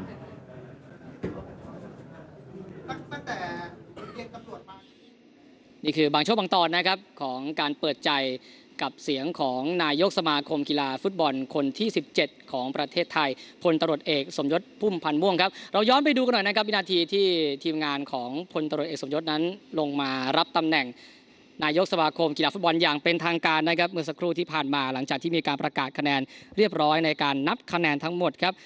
ก็ถึงตอนนี้มันชอบการการพูดตามภาพที่ผ่านมาหลังจากที่มีการประกาศคะแนนเรียบร้อยในการนับคะแนนทั้งหมดครับ